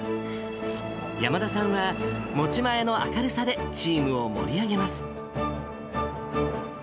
山田さんは持ち前の明るさでチームを盛り上げます。